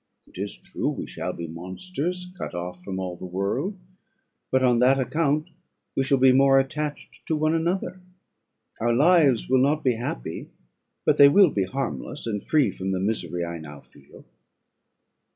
It is true, we shall be monsters, cut off from all the world; but on that account we shall be more attached to one another. Our lives will not be happy, but they will be harmless, and free from the misery I now feel.